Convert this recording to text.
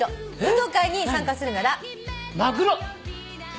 「運動会に参加するなら」